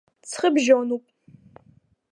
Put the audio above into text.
Ҵхыбжьонуп.